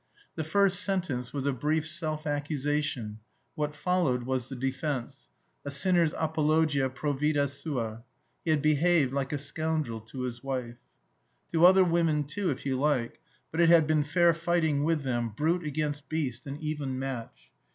The first sentence was a brief self accusation, what followed was the defense a sinner's apologia pro vita sua. He had behaved like a scoundrel to his wife. To other women too, if you like, but it had been fair fighting with them, brute against beast, an even match.